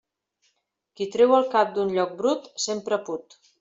Qui treu el cap d'un lloc brut, sempre put.